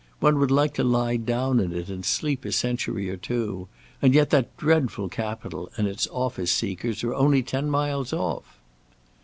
One would like to lie down in it and sleep a century or two. And yet that dreadful Capitol and its office seekers are only ten miles off."